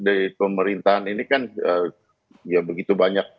di pemerintahan ini kan ya begitu banyak